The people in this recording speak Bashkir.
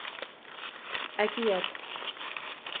Әкиәт.